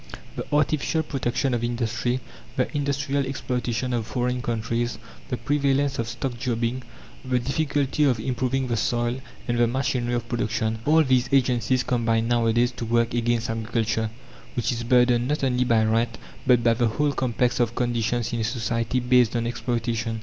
The artificial protection of industry, the industrial exploitation of foreign countries, the prevalence of stock jobbing, the difficulty of improving the soil and the machinery of production all these agencies combine nowadays to work against agriculture, which is burdened not only by rent, but by the whole complex of conditions in a society based on exploitation.